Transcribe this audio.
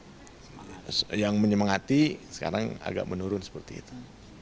mungkin ada yang menyemangati sekarang agak menurun seperti itu